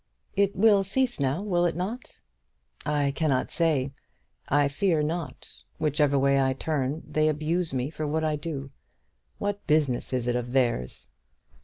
"It will cease now, will it not?" "I cannot say. I fear not. Whichever way I turn, they abuse me for what I do. What business is it of theirs?"